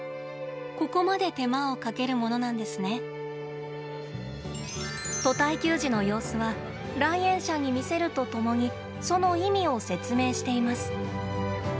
ここまで手間をかけるものなんですね。と体給餌の様子は来園者に見せるとともにその意味を説明しています。